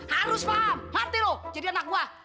harus paham mati lu jadi anak gua